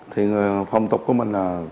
thì phong tục của mình là